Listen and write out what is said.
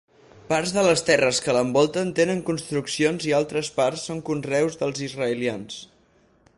Parts de les terres que l'envolten tenen construccions i altres parts són conreus dels israelians.